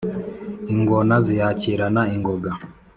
Ingona ziyakirana ingoga